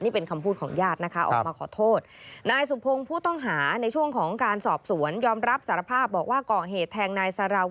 นี่เป็นคำพูดของญาติออกมาขอโทษ